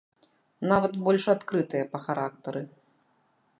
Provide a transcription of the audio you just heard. Нават больш адкрытыя па характары.